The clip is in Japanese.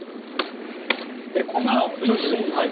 えこんな調子でいいんですか？